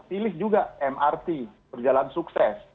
pilih juga mrt berjalan sukses